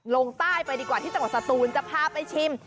ลงใต้ไปดีกว่าที่จังหวัดสตูนจะพาไปชิม